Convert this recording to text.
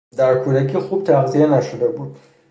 در کودکی خوب تغذیه نشده بود.